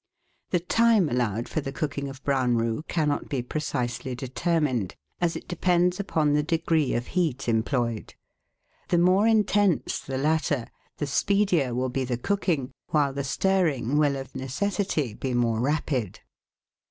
The time allowed for the cooking of brown roux cannot be precisely determined, as it depends upon the degree of heat LEADING SAUCES 17 employed. The more intense the latter, the speedier will be the cooking, while the stirring will of necessity be more rapid.